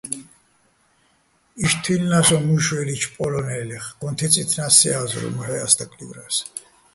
იშტ თუჲლნა́ს ო მუჲში̆ ვე́ლიჩო̆ პოლო́ნელეხ, გოჼ თე́წჲინას სე ა́ზრუვ, მოჰ̦ე́ ას დაკლივრა́ს.